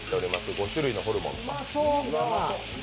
５種類のホルモン。